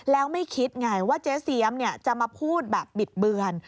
แล้วไม่คิดไงว่าเจ๊เสียมจะมาพูดแบบบิดเบือน